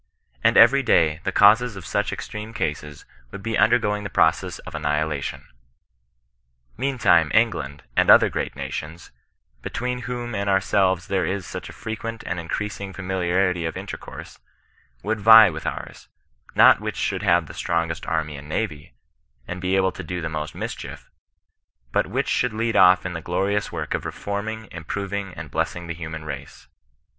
And every ^ay the causes of such extreme cases would be undergo ing the process of annihilation. Meantime England, and the other great nations, between whom and ourselves there is such a frequent and increasing familiarity of in tercourse, would vie with ours, not which should have the strongest army and navy, and be able to do the most mischief, but which should lead off in the glorious work of reforming, improving and blessing the human race.